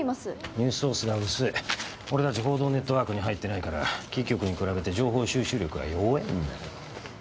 ニュースソースが薄い俺達報道ネットワークに入ってないからキー局に比べて情報収集力が弱えんだよ